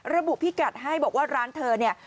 พิกัดให้บอกว่าร้านเธอเนี่ย